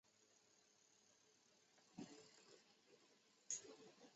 布里基斯是位于美国阿肯色州李县的一个非建制地区。